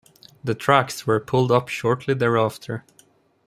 The tracks were pulled up shortly thereafter.